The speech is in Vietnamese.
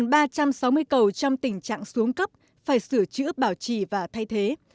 ba trăm sáu mươi cầu trong tình trạng xuống cấp phải sửa chữa bảo trì và thay thế